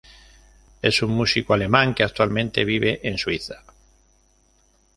Es un músico alemán, que actualmente vive en Suiza.